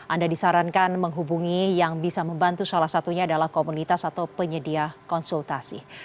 anda disarankan menghubungi yang bisa membantu salah satunya adalah komunitas atau penyedia konsultasi